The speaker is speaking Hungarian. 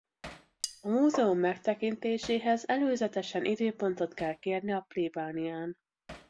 A múzeum megtekintéséhez előzetesen időpontot kell kérni a plébánián.